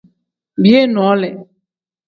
Biyee noole.